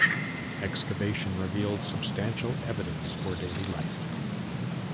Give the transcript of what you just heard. Excavation revealed substantial evidence for daily life.